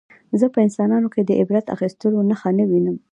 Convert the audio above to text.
زه په انسانانو کې د عبرت اخیستلو نښه نه وینم